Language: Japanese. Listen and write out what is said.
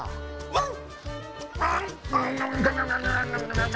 ワン！